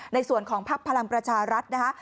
ในส่วนของภักดิ์พลังประชารัฐนะคะ